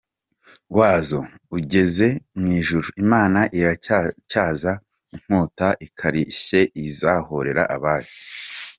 Wazo ugeze mwijuru Imana iracyatyaza inkota ikarishye izahorera abayo